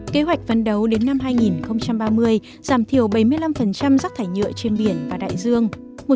kế hoạch vấn đấu đến năm hai nghìn ba mươi giảm thiểu bảy mươi năm rắc thải nhựa trên biển và đại dương